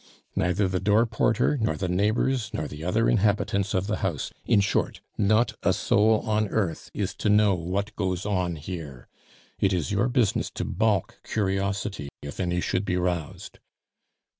Neither the door porter, nor the neighbors, nor the other inhabitants of the house in short, not a soul on earth is to know what goes on here. It is your business to balk curiosity if any should be roused.